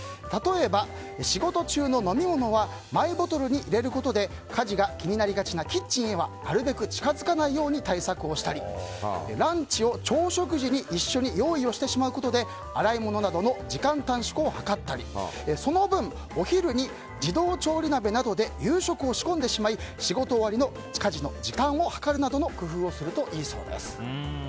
例えば仕事中の飲み物はマイボトルに入れることで家事が気になりがちなキッチンへはなるべく近づかないように対策をしたりランチを朝食時に一緒に用意してしまうことで洗い物などの時間短縮を図ったりその分、お昼に自動調理鍋などで夕食を仕込んでしまい仕事終わりの家事の時短を図るなどの工夫をするといいそうです。